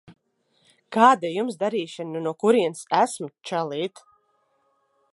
Kāda Jums darīšana no kurienes esmu, čalīt?